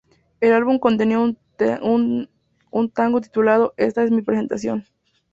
El álbum contenía un tango titulado "Esta es mi presentación".